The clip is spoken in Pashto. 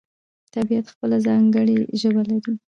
طبیعت خپله ځانګړې ژبه لري.